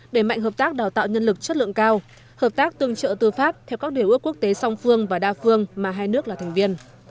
để mạnh hợp tác đào tạo nhân lực chất lượng cao hợp tác tương trợ tư pháp theo các điều ước quốc tế song phương và đa phương mà hai nước là thành viên